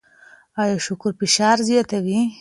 ایا شکر فشار زیاتوي؟